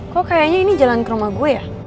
kok kayaknya ini jalan ke rumah gue ya